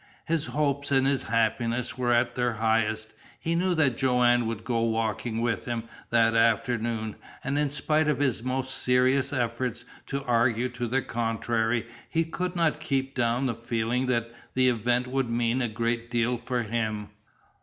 His hopes and his happiness were at their highest. He knew that Joanne would go walking with him that afternoon, and in spite of his most serious efforts to argue to the contrary he could not keep down the feeling that the event would mean a great deal for him.